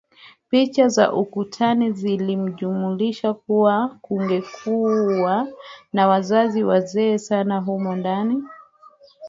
Picha za ukutani zilimjulisha kuwa kungekuwa na wazazi wazee sana humo ndani